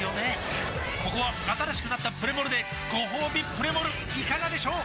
ここは新しくなったプレモルでごほうびプレモルいかがでしょう？